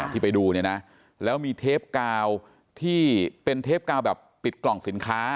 ที่ไปดูเนี่ยนะแล้วมีเทปกาวที่เป็นเทปกาวแบบปิดกล่องสินค้า